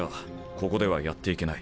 ここではやっていけない。